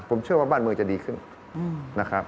ผมเชื่อว่าบ้านเมืองจะดีขึ้นนะครับ